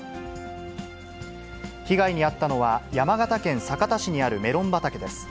被害に遭ったのは、山形県酒田市にあるメロン畑です。